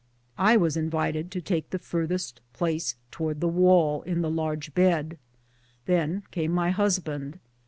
I was invited to take tlie farthest place towards the wall, in the large bed ; then came my husband.